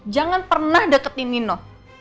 jangan pernah deketin nino